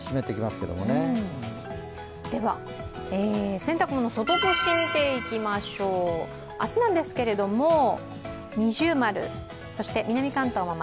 洗濯物、外干し見ていきましょう明日なんですけれども、二重丸、南関東も丸。